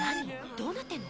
どうなってんの？